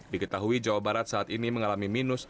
diketahui jawa barat saat ini mengalami minus